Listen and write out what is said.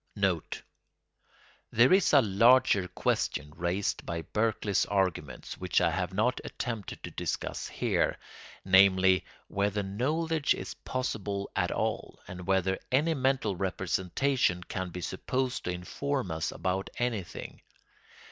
NOTE—There is a larger question raised by Berkeley's arguments which I have not attempted to discuss here, namely, whether knowledge is possible at all, and whether any mental representation can be supposed to inform us about anything.